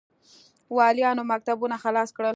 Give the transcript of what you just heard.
والیانو مکتوبونه خلاص کړل.